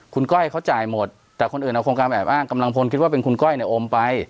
คุณก้อยเขาจ่ายหมดแต่คนอื่นเอาโครงการแอบอ้างกำลังพลคิดว่าเป็นคุณก้อยเนี่ยโอมไป